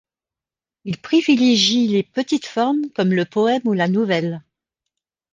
Il privilégie les petites formes, comme le poème ou la nouvelle.